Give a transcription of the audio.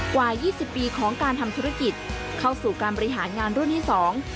ยี่สิบปีของการทำธุรกิจเข้าสู่การบริหารงานรุ่นที่สอง